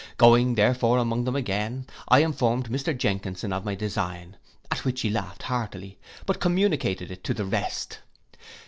Going therefore among them again, I informed Mr Jenkinson of my design, at which he laughed heartily, but communicated it to the rest.